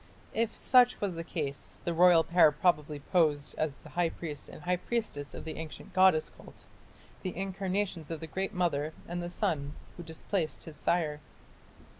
If such was the case, the royal pair probably posed as the high priest and high priestess of the ancient goddess cult the incarnations of the Great Mother and the son who displaced his sire.